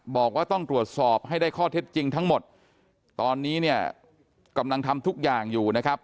บอกว่าต้องตรวจสอบให้ได้ข้อเท็จจริงทั้งหมดตอนนี้เนี่ยกำลังทำทุกอย่างอยู่นะครับ